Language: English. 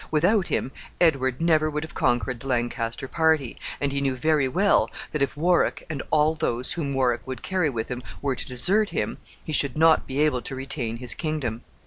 Without him, Edward never would have conquered the Lancaster party, and he knew very well that if Warwick, and all those whom Warwick would carry with him, were to desert him, he should not be able to retain his kingdom.